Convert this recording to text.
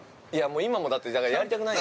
◆今もだから、やりたくない。